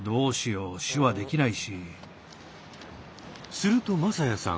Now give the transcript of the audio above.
すると匡哉さん